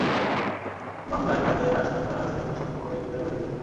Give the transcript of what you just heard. মামলায় যাদের আসামি করা হয়েছে তদন্ত সাপেক্ষে তাঁদের গ্রেপ্তারে অভিযান চলছে।